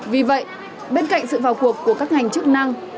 vì vậy bên cạnh sự vào cuộc của các ngành chức năng